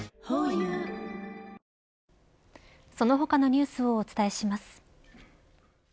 ホーユーその他のニュースをお伝えします。